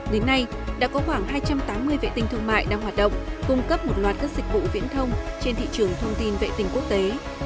đến nay đã có khoảng hai trăm tám mươi vệ tinh thương mại đang hoạt động cung cấp một loạt các dịch vụ viễn thông trên thị trường thông tin vệ tình quốc tế